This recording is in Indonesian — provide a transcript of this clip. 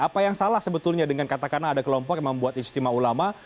apa yang salah sebetulnya dengan katakanlah ada kelompok yang membuat istimewa ulama